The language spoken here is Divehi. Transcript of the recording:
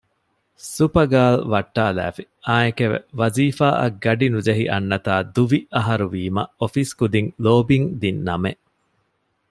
ސުޕަގާލް ވައްޓާލާފި އާއެކެވެ ވާޒީފާ އަށް ގަޑި ނުޖެހި އަންނަތާ ދުވި އަހަރުވީމަ އޮފީސް ކުދިން ލޯބިން ދިންނަމެއް